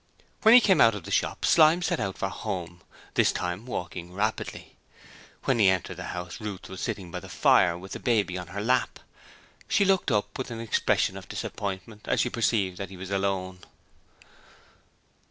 When he came out of the shop Slyme set out for home, this time walking rapidly. When he entered the house Ruth was sitting by the fire with the baby on her lap. She looked up with an expression of disappointment as she perceived that he was alone.